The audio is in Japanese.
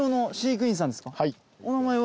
お名前は？